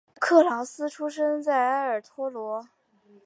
克劳斯出生在埃尔托罗。